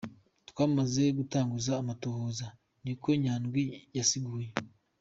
Twamaze gutanguza amatohoza», nikwo Nyandwi yasiguye.